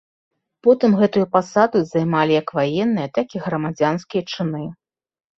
Потым гэтую пасаду займалі як ваенныя, так і грамадзянскія чыны.